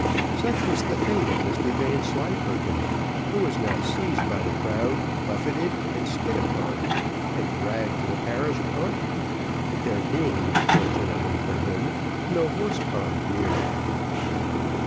Such was the fate of Mr Vanslyperken, who was now seized by the crowd, buffeted, and spit upon, and dragged to the parish pump, there being, fortunately for him, no horse pond near.